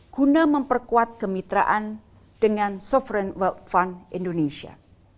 guna memperkuat kemitraan dengan sovereign wealth fund indonesia